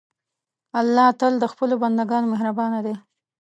الله تل د خپلو بندهګانو مهربان دی.